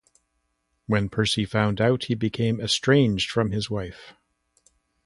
When Percy found out, he became estranged from his wife.